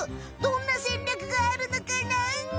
どんな戦略があるのかな？